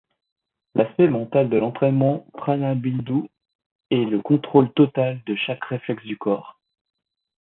L’aspect mental de l’entraînement Prana-Bindu est le contrôle total de chaque réflexe du corps.